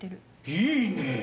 いいねぇ！